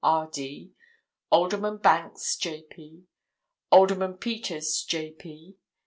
R.D.), Alderman Banks, J.P., Alderman Peters, J.P.